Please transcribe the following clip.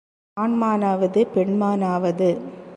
ஆண் மானாவது, பெண் மானாவது?